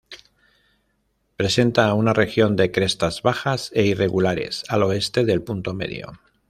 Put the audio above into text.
Presenta una región de crestas bajas e irregulares al oeste del punto medio.